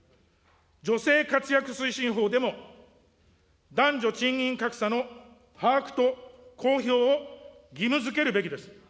女性活躍推進法でも、男女賃金格差の把握と公表を義務づけるべきです。